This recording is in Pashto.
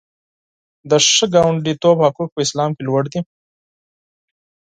د ښه ګاونډیتوب حقوق په اسلام کې لوړ دي.